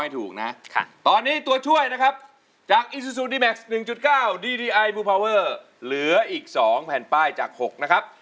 คุณนุฏรีครับจะใช้หรือไม่ใช้ครับ